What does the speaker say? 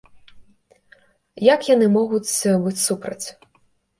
Як яны могуць быць супраць?